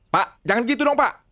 pak jangan gitu dong pak